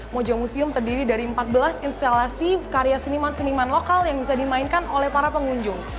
moja museum terdiri dari empat belas instalasi karya seniman seniman lokal yang bisa dimainkan oleh para pengunjung